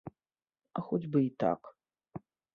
А хоць бы й так.